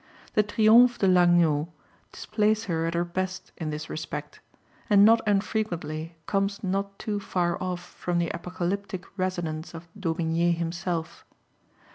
The Triomphe de l'Agneau displays her at her best in this respect, and not unfrequently comes not too far off from the apocalyptic resonance of d'Aubigné himself.